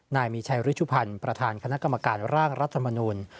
นายมีชัยริชุพันธ์ประธานคณะกรรมการร่างรัฐมนุน